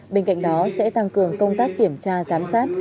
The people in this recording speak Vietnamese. bên cạnh đó sẽ tăng cường công tác kiểm tra giám sát